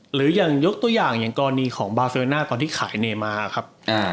หรือยกตัวอย่างอย่างก่อนนี้ของบาร์เซอร์น่าตอนที่ขายเนมาครับ